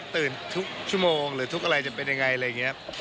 บอกว่าตื่นทุกชั่วโมงหรือทุกอะไรจะเป็นอย่างไร